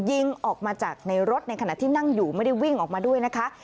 ยิงออกมาจากในรถในขณะที่นั่งอยู่ไม่ได้วิ่งออกมาด้วยนะคะ